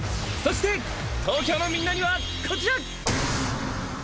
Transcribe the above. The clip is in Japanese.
そして東京のみんなにはこちら！